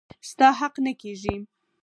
ستا حق نه کيږي.